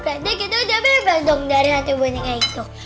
kak dek kita udah bebas dong dari hati bonika itu